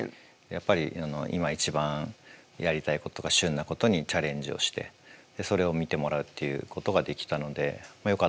やっぱり今一番やりたいことが旬なことにチャレンジをしてそれを見てもらうっていうことができたのでまあよかったかなと。